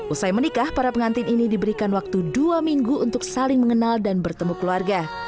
usai menikah para pengantin ini diberikan waktu dua minggu untuk saling mengenal dan bertemu keluarga